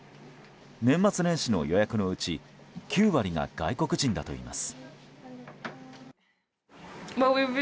年末年始の予約のうち９割が外国人だといいます。